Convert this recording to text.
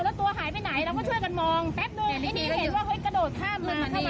ว่าเอาให้ไปไหนเอวหลายลงมาวงดูถึงได้เวลว์เวลาเชียงด้วยตรงนี้